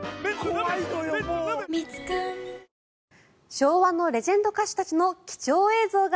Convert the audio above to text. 昭和のレジェンド歌手たちの貴重映像が